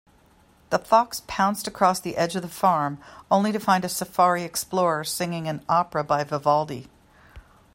The fox pounced across the edge of the farm, only to find a safari explorer singing an opera by Vivaldi.